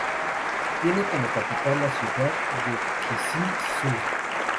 Tiene como capital la ciudad de Kyzyl-Suu.